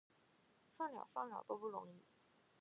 算鸟，算鸟，都不容易！